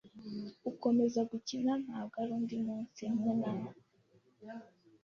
Ukomeza gukina ntabwo ari undi munsi hamwe nawe